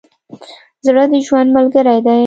زړه د ژوند ملګری دی.